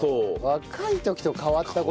若い時と変わった事？